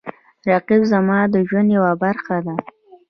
رقیب زما د ژوند یوه برخه ده